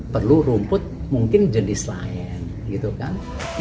perlu rumput mungkin jenis lain gitu kan